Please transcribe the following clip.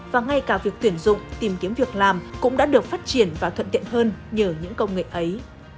và ngay cả việc tuyển dụng tìm kiếm việc làm cũng đã được phát triển và thuận tiện hơn nhờ những công nghệ ấy